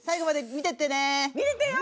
見てってよ！